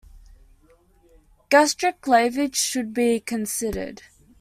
Gastric lavage should be considered.